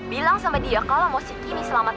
bilang sama dia kalo mau si kimi selamat